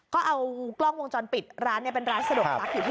ก็เอากล้องวงจรปิดร้านเนี่ยเป็นร้านสะดวกซักอยู่ที่